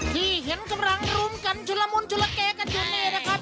ที่เห็นกำลังรุมกันชุลมุนชุลเกกันอยู่นี่นะครับ